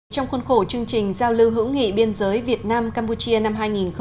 trong khuôn khổ chương trình giao lưu hữu nghị biên giới việt nam campuchia năm hai nghìn một mươi chín